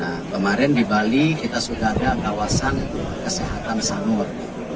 nah kemarin di bali kita sudah ada kawasan kesehatan sanur